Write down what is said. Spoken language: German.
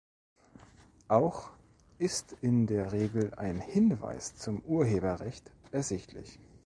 Auch ist in der Regel ein Hinweis zum Urheberrecht ersichtlich.